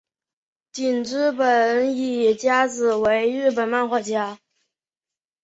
井之本理佳子为日本漫画家。